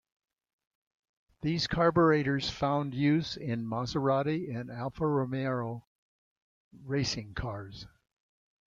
These carburetors found use in Maserati and Alfa Romeo racing cars.